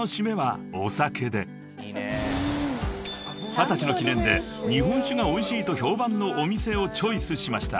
［二十歳の記念で日本酒がおいしいと評判のお店をチョイスしました］